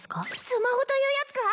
スマホというやつか！